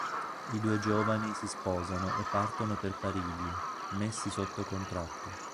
I due giovani si sposano e partono per Parigi, messi sotto contratto.